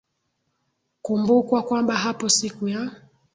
kumbukwa kwamba hapo siku ya